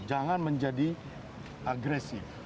jangan menjadi agresif